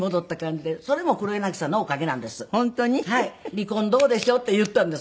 「離婚どうでしょう？」って言ったんです。